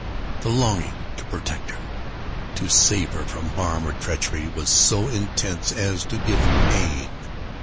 The longing to protect her, to save her from harm or treachery, was so intense as to give pain.